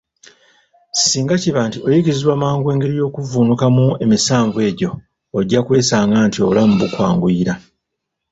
Singa kiba nti oyigirizibbwa mangu engeri y'okuvvuunukamu emisanvu egyo, ojja kwesanga nti obulamu bukwanguyira.